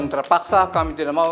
terpaksa kami tidak mau